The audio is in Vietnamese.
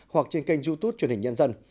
hoặc trên kênh youtube truyền hình nhân dân